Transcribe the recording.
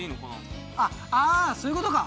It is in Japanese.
あそういうことか！